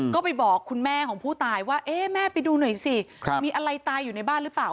ก็ไปบอกคุณแม่ของผู้ตายว่าเอ๊ะแม่ไปดูหน่อยสิมีอะไรตายอยู่ในบ้านหรือเปล่า